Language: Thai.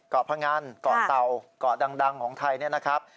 เกาะพระงันเกาะเตาเกาะดังของไทยนี่นะครับ